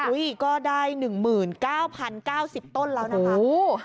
ก็ได้๑๙๐๙๐ต้นแล้วนะคะ